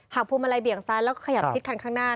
พวงมาลัยเบี่ยงซ้ายแล้วขยับชิดคันข้างหน้า